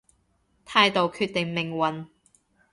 態度決定命運